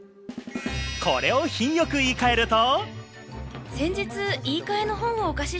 これを品良く言いかえると。